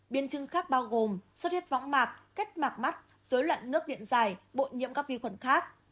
biên chứng khác bao gồm suất hiếp võng mạc kết mạc mắt dối loạn nước điện dài bộ nhiễm các vi khuẩn khác